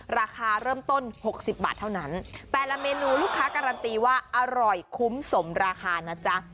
ราคาเริ่มต้น๖๐บาทเท่านั้นแต่ละเมนูลูกค้าการันตีว่าอร่อยคุ้มสมราคานะจ๊ะ